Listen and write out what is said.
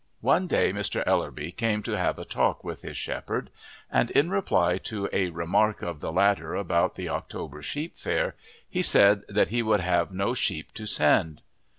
One day Mr. Ellerby came to have a talk with his shepherd, and in reply to a remark of the latter about the October sheep fair he said that he would have no sheep to send.